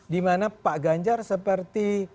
dimana pak ganjar seperti